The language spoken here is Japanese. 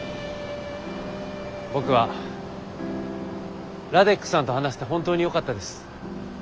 僕はラデックさんと話せて本当によかったです。